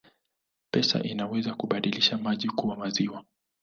Pesa inaweza kubadilisha maji kuwa maziwa